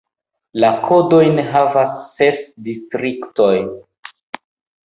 La kodojn havas ses distriktoj.